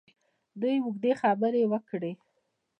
دوی اوږدې خبرې وکړې.